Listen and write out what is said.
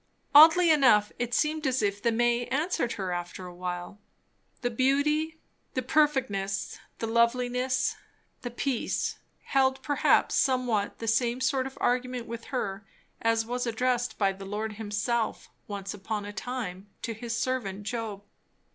Oddly enough, it seemed as if the May answered her after a while. The beauty, the perfectness, the loveliness, the peace, held perhaps somewhat the same sort of argument with her as was addressed by the Lord himself, once upon a time, to his servant Job.